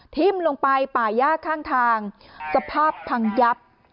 ทิ้มลงไปป่าย่าข้างทางสภาพพังยับ